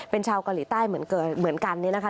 เป็นชาวกรีต้ายเหมือนกันเนี่ยนะคะ